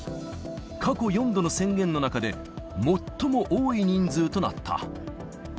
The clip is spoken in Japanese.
過去４度の宣言の中で、最も多い人数となった。